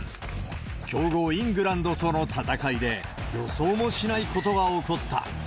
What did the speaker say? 強豪イングランドとの戦いで、予想もしないことが起こった。